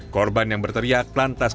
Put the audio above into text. korban yang berteriak lantas